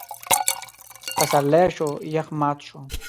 پسرلی شو؛ يخ مات شو.